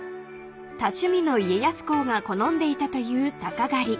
［多趣味の家康公が好んでいたというタカ狩り］